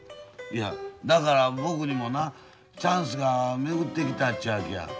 いやだから僕にもなチャンスが巡ってきたちゅうわけや。